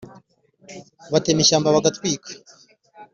batema ishyamba bagatwika,